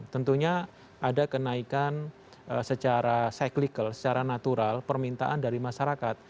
tentunya ada kenaikan secara cyclical secara natural permintaan dari masyarakat